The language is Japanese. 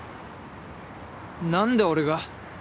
何で俺が？